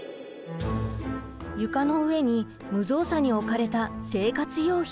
床の上に無造作に置かれた生活用品。